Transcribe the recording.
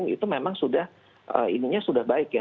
itu memang sudah ininya sudah baik ya